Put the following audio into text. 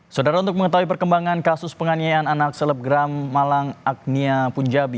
saudara untuk mengetahui perkembangan kasus penganiayaan anak selebgram malang agnia punjabi